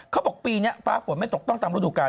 เขาบอกปีนี้ฟ้าฝนไม่ตกต้องตามฤดูกาล